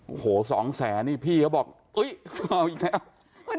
โอ้โหสองแสนนี่พี่เขาบอกเอาอีกแล้ว